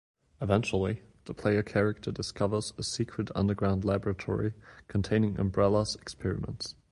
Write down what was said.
Eventually, the player character discovers a secret underground laboratory containing Umbrella's experiments.